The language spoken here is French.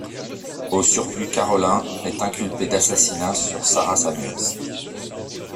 Au surplus Carolyn est inculpée d'assassinat sur Sara Samuels.